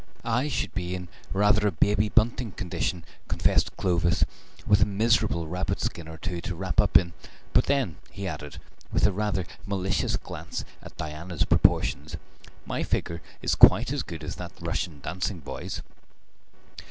"I should be in rather a Baby Bunting condition," confessed Clovis, "with a miserable rabbit skin or two to wrap up in, but then," he added, with a rather malicious glance at Diana's proportions, "my figure is quite as good as that Russian dancing boy's."